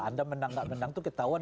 anda menang gak menang tuh ketahuan